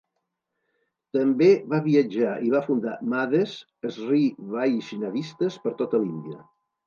També va viatjar i va fundar "mathes" Sri Vaishnavistes per tota l'Índia.